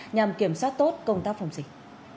nhằm kiểm soát tốt công tác phòng dịch